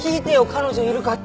彼女いるかって。